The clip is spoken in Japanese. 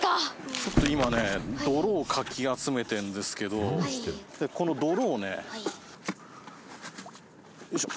ちょっと今ね泥をかき集めてるんですけどはいーよいしょっ